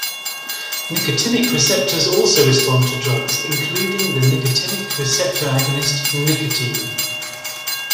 Nicotinic receptors also respond to drugs, including the nicotinic receptor agonist nicotine.